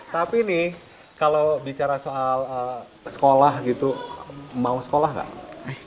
tapi nih kalau bicara soal sekolah gitu mau sekolah nggak